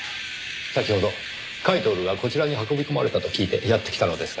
先ほど甲斐享がこちらに運び込まれたと聞いてやって来たのですが。